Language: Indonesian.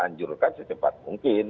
anjurkan secepat mungkin